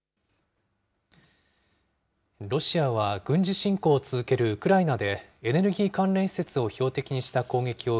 ロシアは軍事侵攻を続けるウクライナでエネルギー関連施設を標的